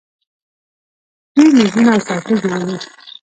دوی میزونه او څوکۍ جوړوي.